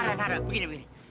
nara nara begini begini